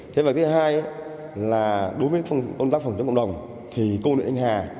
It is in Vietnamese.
thế và thứ hai là đối với công tác phòng chống cộng đồng thì cô nguyễn anh hà